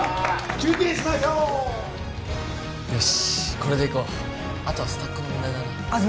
休憩しましょうよしこれでいこうあとはスタックの問題だな